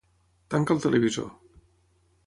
Tanca el televisor.